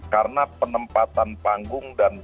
karena penempatan panggung dan